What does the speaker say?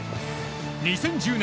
２０１０年